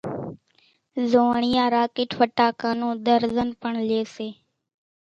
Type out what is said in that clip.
زوئاڻيا راڪيٽ ڦٽاڪان نون ۮرزن پڻ لئي سي